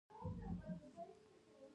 ایا ستاسو کینه به یخه وي؟